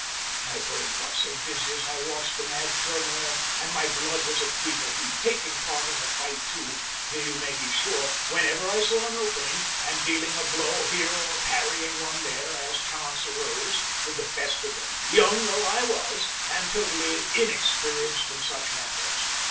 My brain got dizzy as I watched the mad turmoil and my blood was at fever heat, taking part in the fight too, you may be sure, whenever I saw an opening, and dealing a blow here or parrying one there, as chance arose, with the best of them, young though I was, and totally inexperienced in such matters!